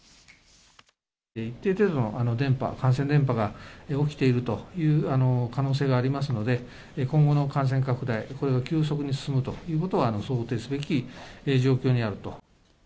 一定程度の伝ぱ、感染伝ぱが起きているという可能性がありますので、今後の感染拡大、これが急速に進むということは、想定すべき状況にあると。